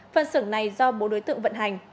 phân xưởng này do bố đối tượng vận hành